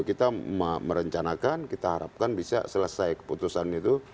kita merencanakan kita harapkan bisa selesai keputusan itu